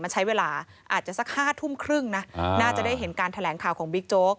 ใช้เวลาอาจจะสักวัน๕๓๐น่าจะได้เห็นการแถลงข่าวของบิ๊กโจ๊ก